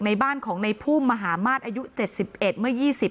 ในบ้านของนายพุ่มมหามาตรอายุ๗๑มื่อยี่สิบ